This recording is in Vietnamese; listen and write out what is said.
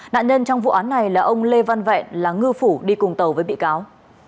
nạn nhân trong vụ án này là ông lê văn vẹn là ngư phủ đi cùng tàu với bị cáo